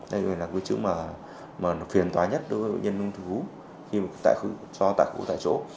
đây là cái chữ mà phiền tóa nhất đối với bệnh nhân ông thư vú khi mà cho tại khu tại chỗ